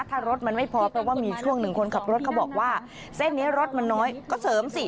ถ้ารถมันไม่พอเพราะว่ามีช่วงหนึ่งคนขับรถเขาบอกว่าเส้นนี้รถมันน้อยก็เสริมสิ